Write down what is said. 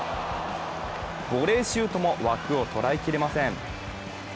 ボレーシュートも枠を捉えきれません。